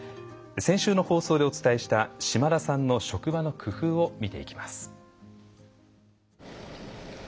先週の放送でお伝えした島田さんの職場の工夫を見ていきます。